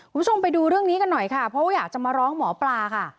คุณผู้ชมไปดูเรื่องนี้กันหน่อยค่ะเพราะว่าอยากจะมาร้องหมอปลาค่ะ